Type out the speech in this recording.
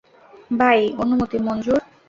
By - অনুমতি মঞ্জুর।